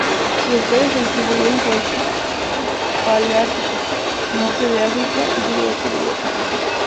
Sus especies se distribuyen por el paleártico: norte de África y sudoeste de Europa.